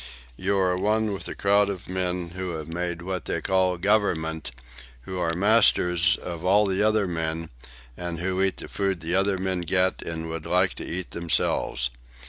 You are one with a crowd of men who have made what they call a government, who are masters of all the other men, and who eat the food the other men get and would like to eat themselves.